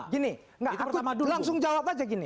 gini langsung jawab aja gini